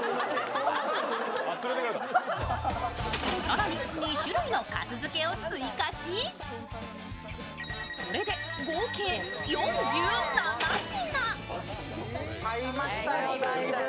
更に、２種類の粕漬けを追加し、これで合計４７品。